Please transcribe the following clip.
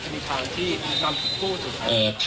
มีทางที่นำผู้ถึงทางอื่นไหมครับ